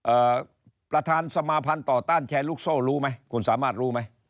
ประธานสมาภัณฑ์ต่อต้านแชร์ลูกโซ่รู้ไหมคุณสามารถรู้ไหม